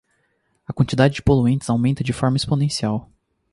A quantidade de poluentes aumenta de forma exponencial.